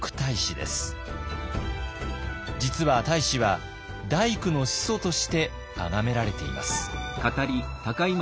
実は太子は大工の始祖としてあがめられています。